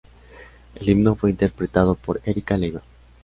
El himno fue interpretado por Erika Leiva.